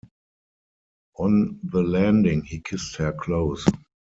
On the landing he kissed her close.